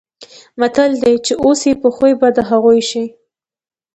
متل دی: چې اوسې په خوی به د هغو شې.